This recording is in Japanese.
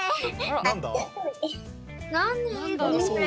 何だろう。